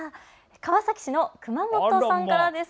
川崎市の隈本さんからです。